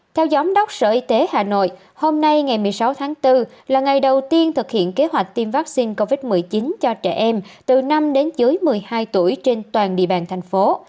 theo giám đốc sở y tế hà nội hôm nay ngày một mươi sáu tháng bốn là ngày đầu tiên thực hiện kế hoạch tiêm vaccine covid một mươi chín cho trẻ em từ năm đến dưới một mươi hai tuổi trên toàn địa bàn thành phố